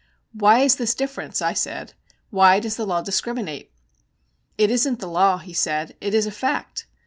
'Why is this difference?' I said. 'Why does the law discriminate?' 'It isn't the law,' he said, 'it is a fact.